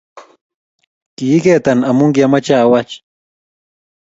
Kiiketan aku kiameche awach